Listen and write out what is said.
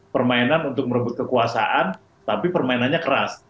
permainan untuk merebut kekuasaan tapi permainannya keras